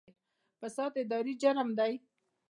فساد اداري جرم دی